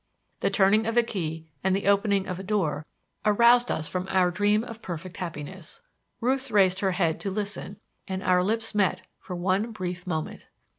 The turning of a key and the opening of a door aroused us from our dream of perfect happiness. Ruth raised her head to listen, and our lips met for one brief moment.